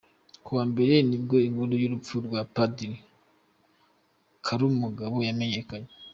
Ku wa Mbere nibwo inkuru y’urupfu rwa Padiri Karumugabo yamenyekanye.